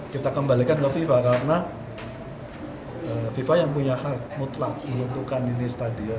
kita kembalikan ke fifa karena fifa yang punya hak mutlak menentukan ini stadion